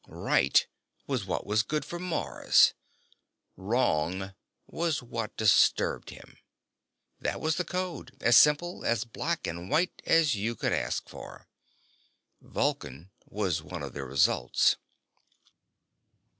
"Right" was what was good for Mars. "Wrong" was what disturbed him. That was the code, as simple, as black and white, as you could ask for. Vulcan was one of the results.